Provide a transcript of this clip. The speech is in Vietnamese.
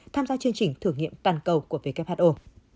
tham gia chương trình thử nghiệm toàn cầu của who